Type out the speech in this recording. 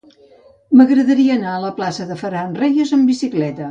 M'agradaria anar a la plaça de Ferran Reyes amb bicicleta.